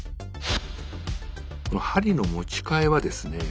針の持ち替えはですね